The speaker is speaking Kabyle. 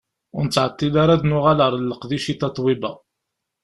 Ur nettɛeṭṭil ara ad d-nuɣal ar leqdic i Tatoeba.